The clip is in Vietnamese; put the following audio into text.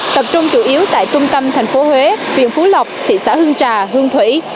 tập trung chủ yếu tại trung tâm thành phố huế huyện phú lộc thị xã hương trà hương thủy